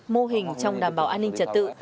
mô hình trong đảm bảo an ninh tật tự